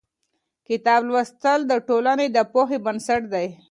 کتاب لوستل د ټولنې د پوهې بنسټ دی.